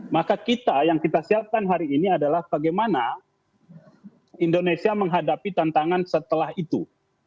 maka kita yang kita siapkan hari ini adalah bagaimana indonesia menghadapi tantangan setelah itu